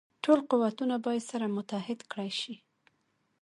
ټول قوتونه باید سره متحد کړه شي.